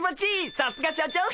さすが社長っす！